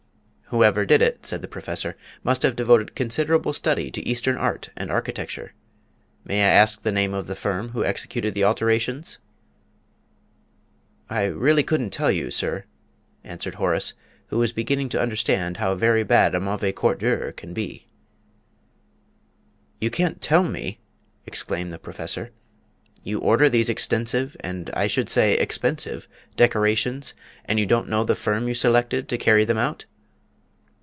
"Whoever did it," said the Professor, "must have devoted considerable study to Eastern art and architecture. May I ask the name of the firm who executed the alterations?" "I really couldn't tell you, sir," answered Horace, who was beginning to understand how very bad a mauvais quart d'heure can be. "You can't tell me!" exclaimed the Professor. "You order these extensive, and I should say expensive, decorations, and you don't know the firm you selected to carry them out!"